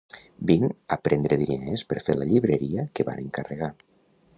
Vinc a prendre diners per fer la llibreria que van encarregar.